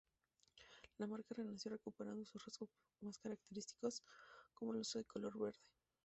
La marca renació recuperando sus rasgos más característicos como el uso del color verde.